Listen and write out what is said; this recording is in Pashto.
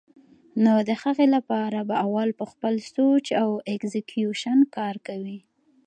نو د هغې له پاره به اول پۀ خپل سوچ او اېکزیکيوشن کار کوي